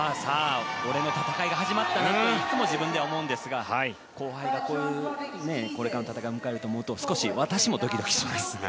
俺の戦いが始まったなといつも自分では思うんですが後輩がこれからの戦いを迎えると思うと少し私もドキドキします。